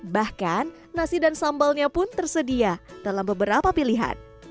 bahkan nasi dan sambalnya pun tersedia dalam beberapa pilihan